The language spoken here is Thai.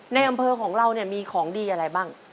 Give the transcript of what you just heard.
ในอำเภอของเราเนี่ยมีของดีอะไรบ้าง